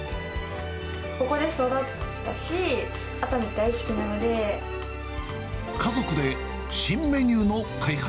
ここで育ったし、熱海大好き家族で新メニューの開発。